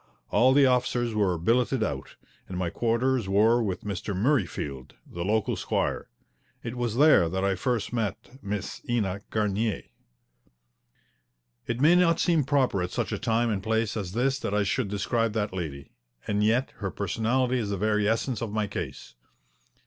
All the officers were billeted out, and my quarters were with Mr. Murreyfield, the local squire. It was there that I first met Miss Ena Garnier. It may not seem proper at such a time and place as this that I should describe that lady. And yet her personality is the very essence of my case.